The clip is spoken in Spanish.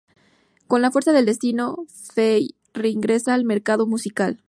Con "La fuerza del destino" Fey re-ingresa al mercado musical.